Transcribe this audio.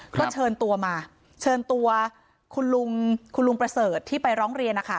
ก็เชิญตัวมาเชิญตัวคุณลุงคุณลุงประเสริฐที่ไปร้องเรียนนะคะ